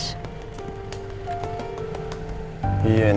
saya tak serius banget